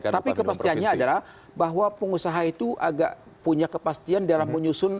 tapi kepastiannya adalah bahwa pengusaha itu agak punya kepastian dalam menyusun